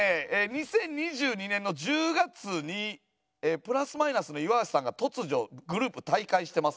２０２２年の１０月にプラス・マイナスの岩橋さんが突如グループ退会してますね。